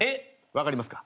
分かりますか？